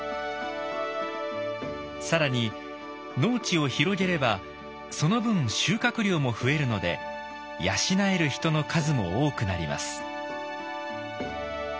更に農地を広げればその分収穫量も増えるので養える人の数も多くなります。